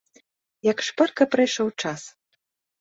Як шпарка прайшоў час!